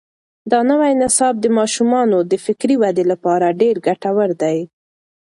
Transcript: دا نوی نصاب د ماشومانو د فکري ودې لپاره ډېر ګټور دی.